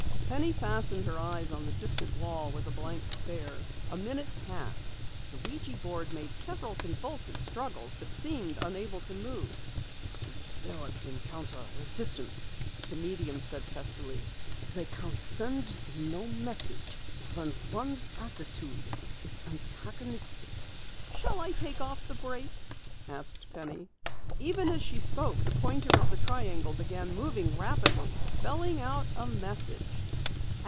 Penny fastened her eyes on the distant wall with a blank stare. A minute passed. The ouija board made several convulsive struggles, but seemed unable to move. "The Spirits encounter resistance," the medium said testily. "They can send no message when one's attitude is antagonistic." "Shall I take off the brakes?" asked Penny. Even as she spoke the pointer of the triangle began moving, rapidly spelling a message.